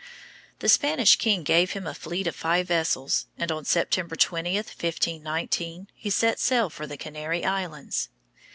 The Spanish king gave him a fleet of five vessels, and on September 20, 1519, he set sail for the Canary Islands.